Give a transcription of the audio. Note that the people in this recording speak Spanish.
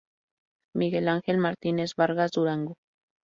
Miguel Angel Martinez Vargas Durango